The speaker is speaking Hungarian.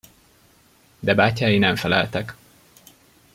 De bátyái nem feleltek.